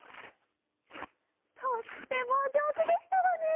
とってもおじょうずでしたわね。